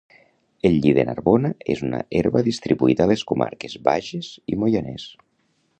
El lli de Narbona és una herba distribuïda a les comarques Bages i Moianès